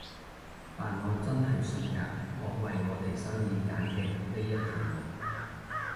但我真係信㗎，我為我哋生意揀嘅呢一條路